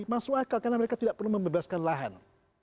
masuk akal karena mereka tidak perlu membebaskan lahan